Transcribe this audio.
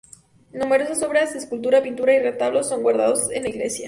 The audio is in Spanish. Numerosas obras de escultura, pintura y retablos son guardados en la iglesia.